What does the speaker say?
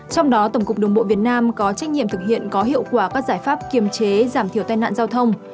trong đó tổng cục đường bộ việt nam có trách nhiệm thực hiện có hiệu quả các giải pháp kiềm chế giảm thiểu tai nạn giao thông